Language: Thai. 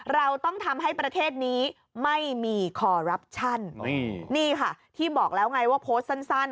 เราต้องทำให้ประเทศนี้ไม่มีคอรับชันนี่ค่ะที่บอกแล้วไงว่าโพสต์สั้น